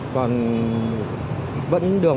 còn vẫn đường